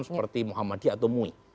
seperti muhammadiyah atau mui